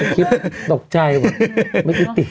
ทีปก็ตกใจไม่กินติ